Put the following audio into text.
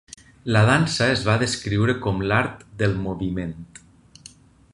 La dansa es va descriure com l'art del moviment.